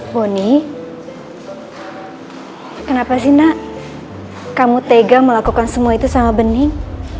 boni kenapa sih nak kamu tega melakukan semua itu sama bening